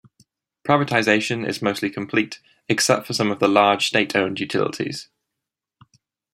Privatization is mostly complete, except for some of the large state-owned utilities.